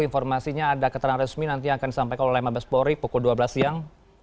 informasinya ada keterangan resmi nanti akan disampaikan oleh mabes pori pukul dua belas siang